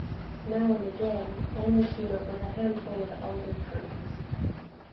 Now and again, Annie came up with a handful of alder-currants.